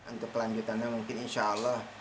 untuk kelanjutannya mungkin insya allah